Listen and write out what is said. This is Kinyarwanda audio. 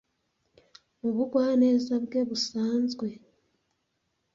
mu bugwaneza bwe busanzwe